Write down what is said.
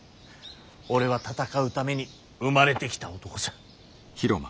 俺は戦うために生まれてきた男さ。